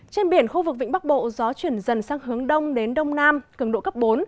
trên biển khu vực vĩnh bắc bộ gió chuyển dần sang hướng đông đến đông nam cường độ cấp bốn